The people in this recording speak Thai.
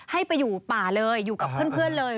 ให้ไปอยู่ป่าเลยอยู่กับเพื่อนเลย